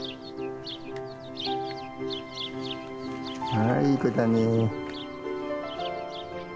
あいい子だねえ。